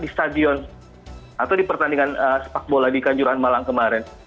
di stadion atau di pertandingan sepak bola di kanjuruhan malang kemarin